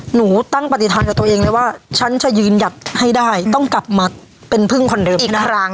หนูตั้งปฏิฐานกับตัวเองเลยว่าฉันจะยืนหยัดให้ได้ต้องกลับมาเป็นพึ่งคนเดิมอีกครั้ง